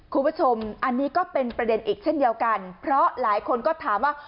คุณผู้ชมอันนี้ก็เป็นประเด็นอีกเช่นเดียวกันเพราะหลายคนก็ถามว่า